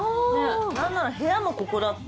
なんなら部屋もここだった。